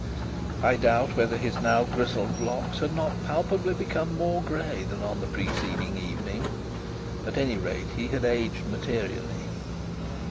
I doubt whether his now grizzled looks had not palpably become more grey than on the preceding evening. At any rate he had aged materially.